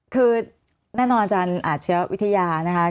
คือแน่นอนอาจารย์อาชียวิทยานะคะ